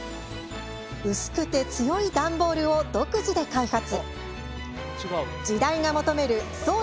薄くて強い段ボールを独自で開発。